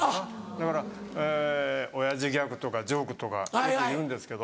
だから親父ギャグとかジョークとかよく言うんですけど。